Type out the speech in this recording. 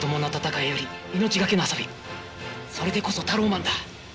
それでこそタローマンだ。